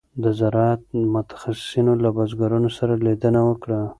د زراعت متخصصینو له بزګرانو سره لیدنه وکړه.